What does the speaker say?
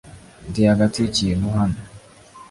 Ndi hagati yikintu hano .